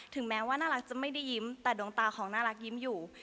แม้ว่าน่ารักจะไม่ได้ยิ้มแต่ดวงตาของน่ารักยิ้มอยู่